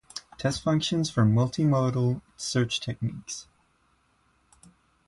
Test Functions for Multimodal Search Techniques.